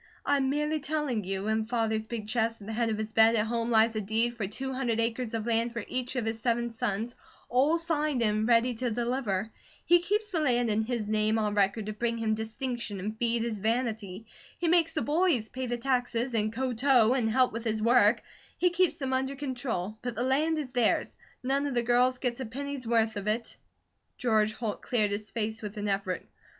"I'm merely telling you. In Father's big chest at the head of his bed at home lies a deed for two hundred acres of land for each of his seven sons, all signed and ready to deliver. He keeps the land in his name on record to bring him distinction and feed his vanity. He makes the boys pay the taxes, and ko tow, and help with his work; he keeps them under control; but the land is theirs; none of the girls get a penny's worth of it!" George Holt cleared his face with an effort.